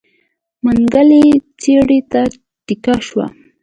منګلی څېړۍ ته تکيه شو.